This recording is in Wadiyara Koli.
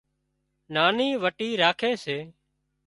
ناني وٽي راکي سي